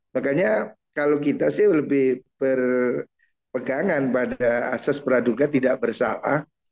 makanya kalau kita sih lebih berpegangan pada asas peraduga tidak bersalah